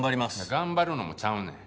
頑張るのもちゃうねん。